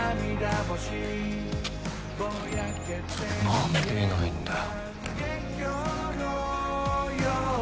なんでいないんだよ。